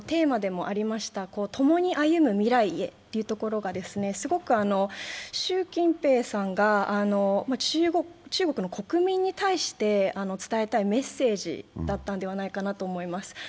今回のテーマでもありました共に歩む未来へというのがすごく習近平さんが中国の国民に対して伝えたいメッセージだったのではないかなと思います。